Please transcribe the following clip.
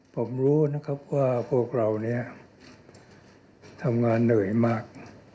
ผมรู้นะครับว่าพวกเราเนี่ยทำงานเหนื่อยมาก